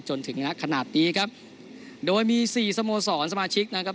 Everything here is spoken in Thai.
จนถึงนักขนาดนี้ครับโดยมีสี่สโมสรสมาชิกนะครับ